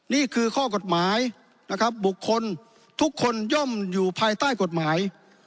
นี่คือข้อกฎหมายนะครับบุคคลทุกคนย่อมอยู่ภายใต้กฎหมาย